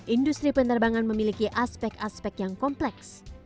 industri penerbangan memiliki aspek aspek yang kompleks